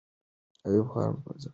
ایوب خان به خېمې درولې وې.